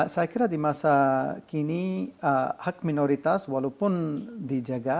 saya kira di masa kini hak minoritas walaupun dijaga